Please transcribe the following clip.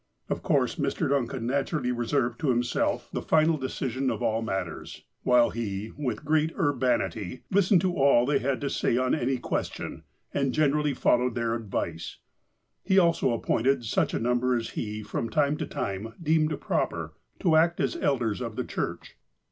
Of course, Mr. Duncan naturally reserved to himself 182 THE APOSTLE OF ALASKA the final decision of all matters, while he, with great ur banity, listened to all they had to say on any question, and generally followed their advice. He also apjDointed such number as he, from time to time, deemed loroper, to act as elders of the church.